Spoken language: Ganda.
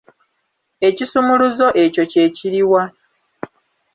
Ekisumuluzo ekyo kye kiri wa?